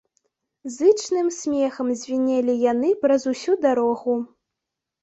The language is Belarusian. Зычным смехам звінелі яны праз усю дарогу.